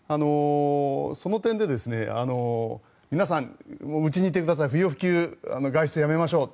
その点で皆さん、うちにいてください不要不急、外出はやめましょう。